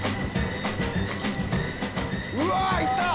・うわ行った！